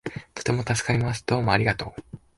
とても助かります。どうもありがとう